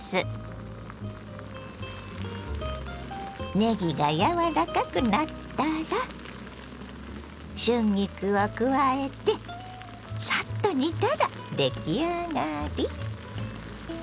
ねぎが柔らかくなったら春菊を加えてサッと煮たら出来上がり！